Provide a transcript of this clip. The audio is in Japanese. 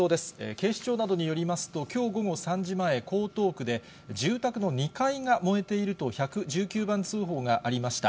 警視庁などによりますと、きょう午後３時前、江東区で、住宅の２階が燃えていると１１９番通報がありました。